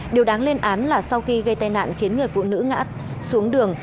điều đáng lên án là sau khi gây tai nạn khiến người phụ nữ ngã xuống đường